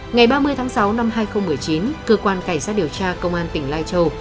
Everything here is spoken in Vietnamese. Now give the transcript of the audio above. ngày ba mươi tháng sáu năm hai nghìn một mươi chín cơ quan cảnh sát điều tra công an tỉnh lai châu